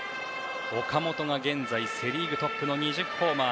岡本が現在、セ・リーグトップの２０ホーマー。